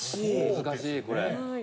難しいこれ。